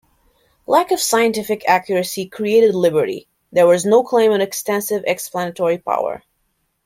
Lack of scientific accuracy created liberty- there was no claim on extensive explanatory power.